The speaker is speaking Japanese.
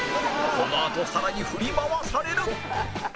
このあとさらに振り回される！